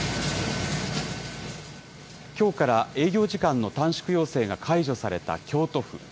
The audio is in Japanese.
きょうから営業時間の短縮要請が解除された京都府。